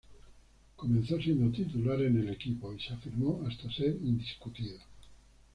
Comenzó siendo titular en el equipo y se afirmó hasta ser indiscutido.